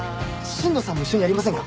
新藤さんも一緒にやりませんか？